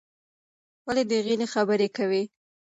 ولې د غېلې خبرې کوې؟